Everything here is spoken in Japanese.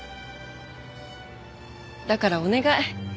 だからお願い。